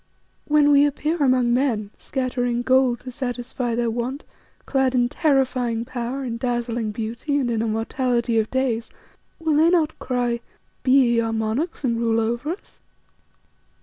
When we appear among men, scattering gold to satisfy their want, clad in terrifying power, in dazzling beauty and in immortality of days, will they not cry, 'Be ye our monarchs and rule over us!